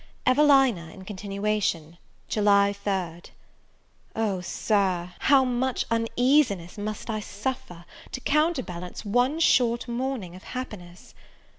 EVELINA IN CONTINUATION. July 3rd. O SIR, how much uneasiness must I suffer, to counterbalance one short morning of happiness!